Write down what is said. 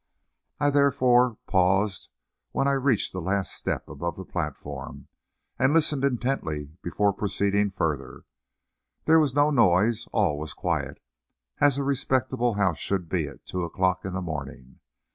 I, therefore, paused when I reached the last step above the platform, and listened intently before proceeding further. There was no noise; all was quiet, as a respectable house should be at two o'clock in the morning.